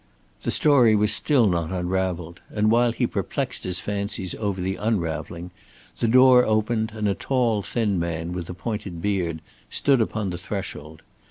The story was still not unraveled, and while he perplexed his fancies over the unraveling, the door opened, and a tall, thin man with a pointed beard stood upon the threshold.